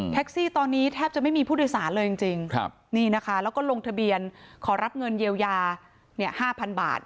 ซี่ตอนนี้แทบจะไม่มีผู้โดยสารเลยจริงนี่นะคะแล้วก็ลงทะเบียนขอรับเงินเยียวยา๕๐๐๐บาท